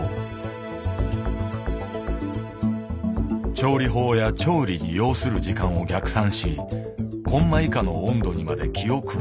調理法や調理に要する時間を逆算しコンマ以下の温度にまで気を配る。